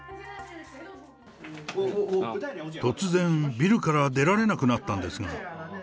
突然、ビルから出られなくなったんですが。